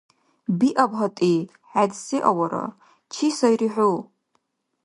Биаб гьатӀи! ХӀед се авара? Чи сайри хӀу?!